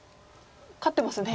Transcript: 勝ってますね。